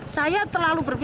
saya terlalu bermimpi